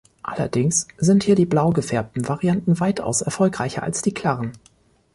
Allerdings sind hier die blau gefärbten Varianten weitaus erfolgreicher als die klaren.